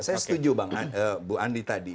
saya setuju banget bu andi tadi